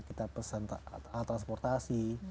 kita pesan alat transportasi